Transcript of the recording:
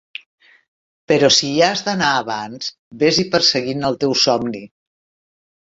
Però si hi has d'anar abans, ves-hi perseguint el teu somni.